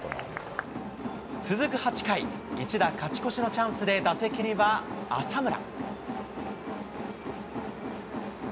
続く８回、一打勝ち越しのチャンスで、打席には浅村。